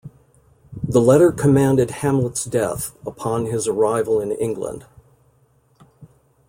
The letter commanded Hamlet's death upon his arrival in England.